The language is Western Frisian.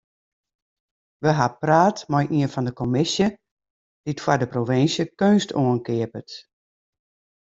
We ha praat mei ien fan de kommisje dy't foar de provinsje keunst oankeapet.